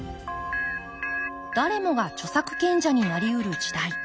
誰もが著作権者になりうる時代。